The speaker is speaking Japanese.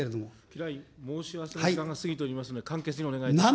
吉良君、申し合わせの時間が過ぎておりますので、簡潔にお願いいたします。